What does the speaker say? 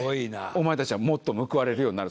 お前たちはもっと報われるようになる。